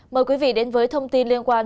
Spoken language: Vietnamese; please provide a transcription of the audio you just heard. mời quý vị đến với thông tin liên quan